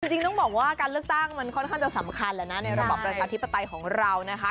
จริงต้องบอกว่าการเลือกตั้งมันค่อนข้างจะสำคัญแล้วนะในระบอบประชาธิปไตยของเรานะคะ